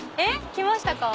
来ましたか？